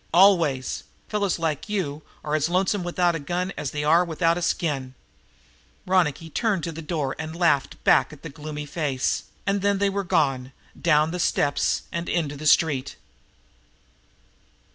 "Always! Fellows like you are as lonesome without a gun as they are without a skin." Ronicky turned at the door and laughed back at the gloomy face, and then they were gone down the steps and into the street.